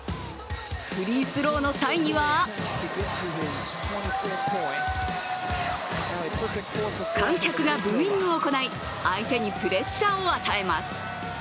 フリースローの際には観客がブーイングを行い相手にプレッシャーを与えます。